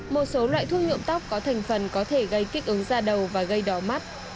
một số loại thuốc nhuộm tóc có thành phần có thể gây kích ứng ra đầu và gây đỏ mắt